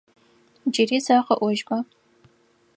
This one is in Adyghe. Джыри зэ къэӏожьба?